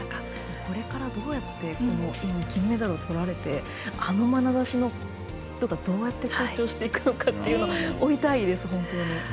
これから金メダルをとられてあのまなざしの人がどうやって成長していくのかを追いたいです。